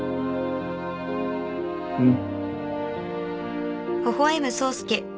うん。